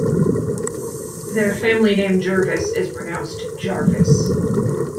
Their family name Jervis is pronounced 'jarviss'.